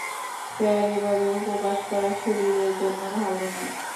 Sir, এভাবে উপবাস করা শরীরের জন্য ভালো না।